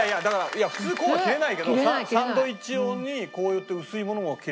普通こうは切れないけどサンドイッチ用にこうやって薄いものも切れるんだ。